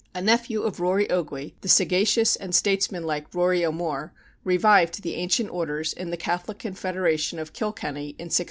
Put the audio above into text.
A nephew of Rory Oge, the sagacious and statesmanlike Rory O'More, revived the ancient orders in the Catholic Confederation of Kilkenny in 1642.